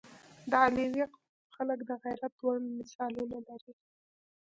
• د علیزي قوم خلک د غیرت لوړ مثالونه لري.